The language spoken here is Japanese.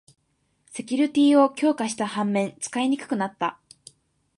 セキュリティーを強化した反面、使いにくくなった